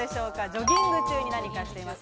ジョギング中に何かしています。